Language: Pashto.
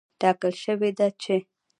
ټاکل شوې ده چې